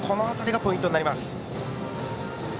この辺りがポイントになります。